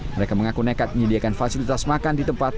mereka mengaku nekat menyediakan fasilitas makan di tempat